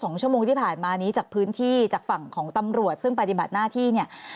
๒ชั่วโมงที่ผ่านมานี้จากพื้นที่จากฝั่งของตำรวจซึ่งปฏิบัติหน้าที่เนี่ย